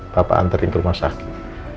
bapak anterin ke rumah sakit